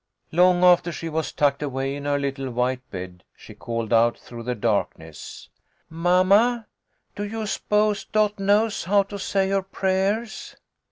Long after she was tucked away in her little white bed she called out through the darkness, " Mamma, do you s'pose Dot knows how to say her prayers